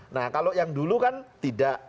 nah kalau yang dulu kan tidak